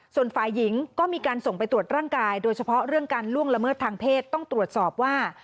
ส่วนฝ่ายหญิงก็มีการส่งไปตรวจร่างกายโดยเฉพาะเรื่องการล่วงละเมิดทางเพศต้องตรวจสอบว่า